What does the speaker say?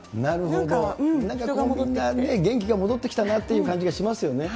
なんかみんなね、元気が戻ってきたなっていう感じがしますよね。